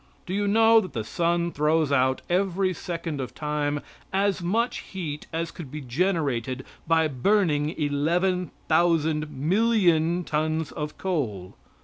Do you know that the sun throws out every second of time as much heat as could be generated by burning eleven thousand millions tons of coal?